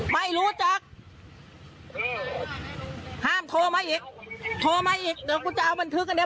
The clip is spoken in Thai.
ไม่รู้จักเออห้ามโทรมาอีกโทรมาอีกเดี๋ยวกูจะเอาบันทึกอันเนี้ย